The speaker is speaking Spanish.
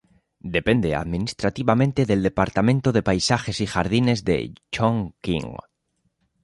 Depende administrativamente del Departamento de paisajes y jardines de Chongqing.